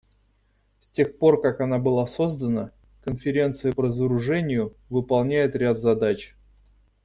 С тех пор как она была создана, Конференция по разоружению выполняет ряд задач.